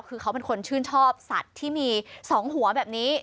คือเขาเป็นคนชื่นชอบสัตว์ที่มี๒หัวแบบนี้